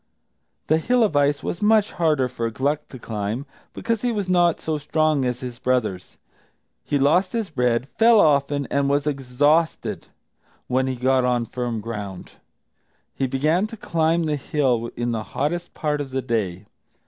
The hill of ice was much harder for Gluck to climb, because he was not so strong as his brothers. He lost his bread, fell often, and was exhausted when he got on firm ground. He began to climb the hill in the hottest part of the day.